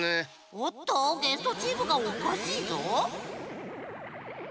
おっとゲストチームがおかしいぞ。